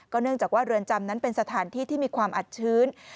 เนื่องจากว่าเรือนจำนั้นเป็นสถานที่ที่มีความอัดชื้น